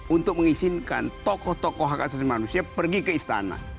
untuk mengizinkan tokoh tokoh hak asasi manusia pergi ke istana